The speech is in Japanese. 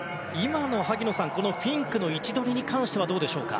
今のフィンクの位置取りに関してはどうですか？